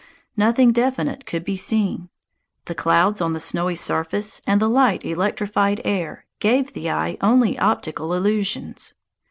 Nothing definite could be seen. The clouds on the snowy surface and the light electrified air gave the eye only optical illusions.